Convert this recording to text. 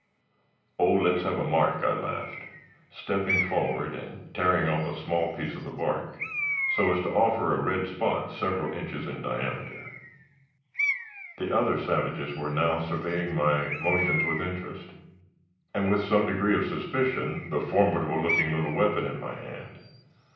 "Oh, let's have a mark," I laughed, stepping forward and tearing off a small piece of the bark, so as to offer a red spot several inches in diameter. The other savages were now surveying my motions with interest, and with some degree of suspicion the formidable looking little weapon in my hand.